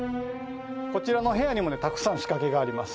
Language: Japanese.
こちらの部屋にもたくさん仕掛けがあります。